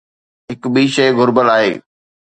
هڪ ٻي شيءِ گهربل آهي.